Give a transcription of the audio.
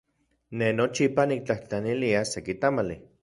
Ne nochipa niktlajtlanilia seki tamali.